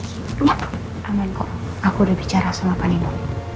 cuma aman kok aku udah bicara sama paninmu